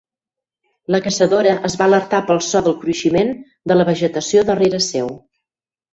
La caçadora es va alertar pel so del cruiximent de la vegetació darrere seu.